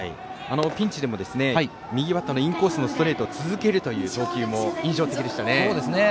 ピンチでも右バッターのインコースのストレートを続けるという投球も印象的でした。